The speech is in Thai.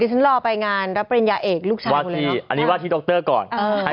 ที่ฉันรอไปงานรับปริญญาเอกลูกฉันอันนี้ว่าที่ดรก่อนให้